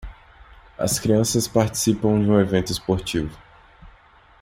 As crianças participam de um evento esportivo.